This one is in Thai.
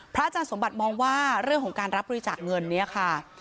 อาจารย์สมบัติมองว่าเรื่องของการรับบริจาคเงินเนี่ยค่ะ